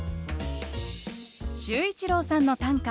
秀一郎さんの短歌